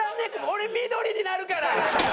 俺緑になるから！